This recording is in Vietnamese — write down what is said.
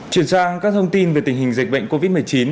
chuyển sang các thông tin về tình hình dịch bệnh covid một mươi chín